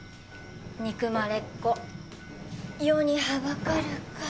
「憎まれっ子世にはばかる」か。